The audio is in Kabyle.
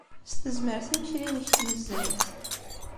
S tezmert imekli-nnek n tnezzayt.